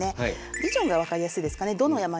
ビジョンが分かりやすいですかね。